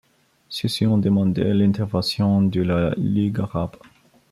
Ceux-ci ont demandé l'intervention de la Ligue arabe.